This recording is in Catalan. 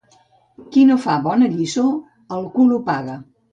Qui no fa bona lliçó, el cul ho paga.